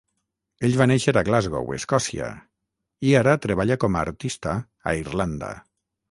Ell va néixer a Glasgow, Escòcia, i ara treballa com a artista a Irlanda.